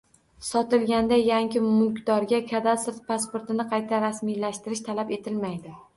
Sotilganda yangi mulkdorga kadastr pasportini qayta rasmiylashtirish talab etilmaydi